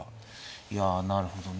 いやなるほどね。